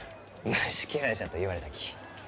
虫けらじゃと言われたき。